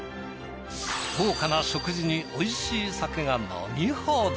豪華な食事においしい酒が飲み放題。